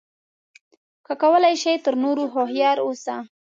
که کولای شې تر نورو هوښیار اوسه.